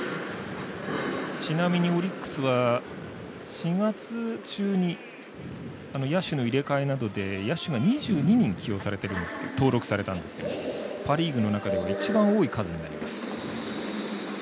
ちなみにオリックスは、４月中に野手の入れ替えなどで野手が２２人登録されたんですけどパ・リーグの中では一番、多い数になります。